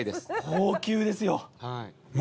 高級ですよ。